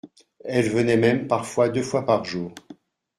elle venait même parfois deux fois par jour